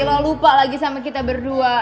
kalau lupa lagi sama kita berdua